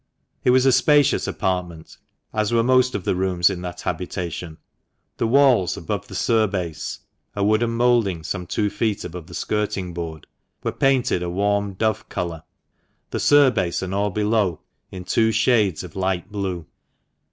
It was a spacious apartment (as were most of the rooms in that habitation), the walls above the surbase (a wooden moulding some two feet above the skirting board) were painted a warm dove colour, the surbase and all below in two shades of light 148 THE MANCHESTER MAN. blue.